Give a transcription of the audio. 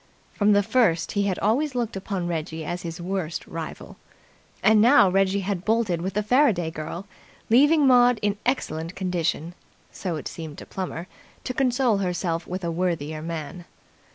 From the first he had always looked upon Reggie as his worst rival. And now Reggie had bolted with the Faraday girl, leaving Maud in excellent condition, so it seemed to Plummer, to console herself with a worthier man.